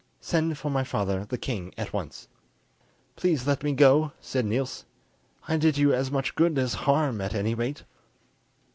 Send for my father the king at once." "Please let me go," said Niels; "I did you as much good as harm, at any rate."